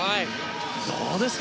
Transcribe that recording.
どうですか